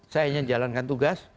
saya hanya jalankan tugas